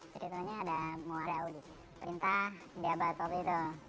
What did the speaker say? jadi tentunya ada muara audit perintah di abad atau gitu